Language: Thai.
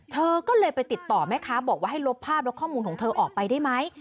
เธอก็เลยไปติดต่อแม่ค้าบอกว่าให้ลบภาพและข้อมูลของเธอออกไปได้ไหม